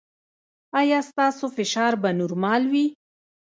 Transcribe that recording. ایا ستاسو فشار به نورمال وي؟